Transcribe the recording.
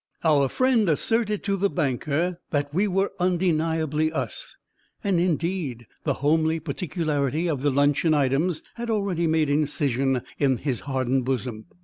Our friend asserted, to the banker, that we were undeniably us, and indeed the homely particularity of the luncheon items had already made incision in his hardened bosom.